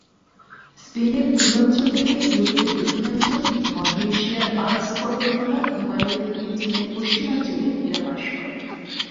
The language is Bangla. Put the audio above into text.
স্পেনের পূর্বাঞ্চল থেকে ইউরোপের দক্ষিণাঞ্চল, মধ্য এশিয়ার আল্পস পর্বত মালা, হিমালয় থেকে চীনের পশ্চিমাঞ্চলে এরা বাস করে।